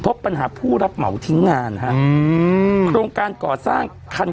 พบปัญหาผู้รับเหมาทิ้งงานฮะอืมโครงการก่อสร้างคัน